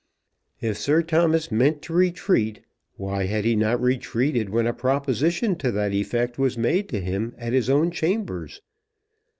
If Sir Thomas meant to retreat, why had he not retreated when a proposition to that effect was made to him at his own chambers?